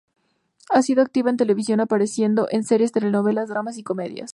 Ha sido activa en televisión apareciendo en series, telenovelas, dramas, y comedias.